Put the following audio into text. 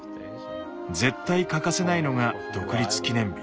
絶対欠かせないのが独立記念日。